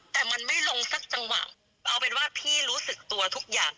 แต่มันไม่ลงสักจังหวะเอาเป็นว่าพี่รู้สึกตัวทุกอย่าง